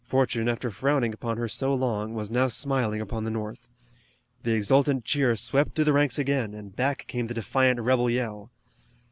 Fortune, after frowning upon her so long, was now smiling upon the North. The exultant cheer swept through the ranks again, and back came the defiant rebel yell.